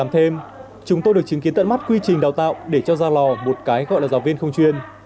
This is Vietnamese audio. làm thêm chúng tôi được chứng kiến tận mắt quy trình đào tạo để cho ra lò một cái gọi là giáo viên không chuyên